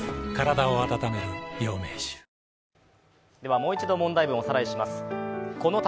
もう一度問題文をおさらいします。